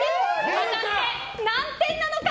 果たして何点なのか！